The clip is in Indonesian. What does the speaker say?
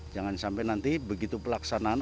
jangan sampai nanti begitu pelaksanaan